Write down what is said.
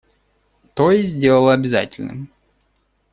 То есть сделала обязательным.